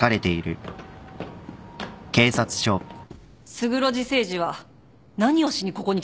勝呂寺誠司は何をしにここに来たんですか？